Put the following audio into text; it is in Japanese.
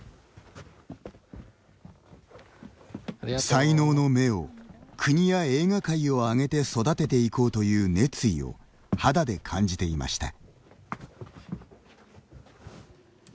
才能の芽を国や映画界を挙げて育てていこうという熱意を肌で感じていました。